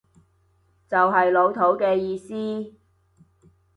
就係老土嘅意思